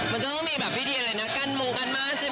มันจะมีแบบวิธีอะไรนั่นกลั้นมูกกั้นมาดสิม่ะตอนนี้